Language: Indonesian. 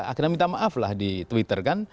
akhirnya minta maaf lah di twitter kan